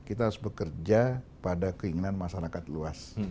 kita harus bekerja pada keinginan masyarakat luas